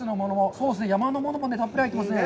そうですね、山のものもたっぷり入ってますね。